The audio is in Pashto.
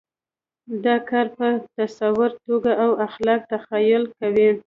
دا کار په تصوري توګه او خلاق تخیل کوو.